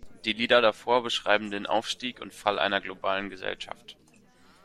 Die Lieder davor beschreiben den Aufstieg und Fall einer globalen Gesellschaft.